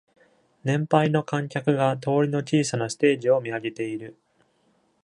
年配の観客が通りの小さなステージを見上げている。